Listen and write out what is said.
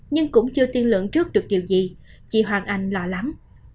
nhưng cũng chưa tiên lượng trước được điều gì chị hoàng anh lo lắng